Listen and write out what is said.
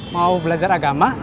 mau belajar agama